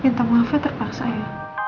minta maaf ya terpaksa ya